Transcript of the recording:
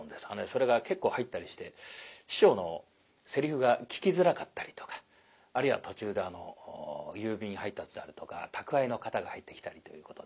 それが結構入ったりして師匠のセリフが聞きづらかったりとかあるいは途中で郵便配達であるとか宅配の方が入ってきたりということで。